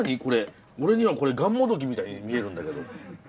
俺にはこれがんもどきみたいに見えるんだけど。